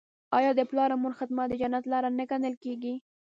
آیا د پلار او مور خدمت د جنت لاره نه ګڼل کیږي؟